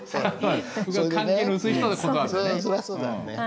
そりゃそうだよね。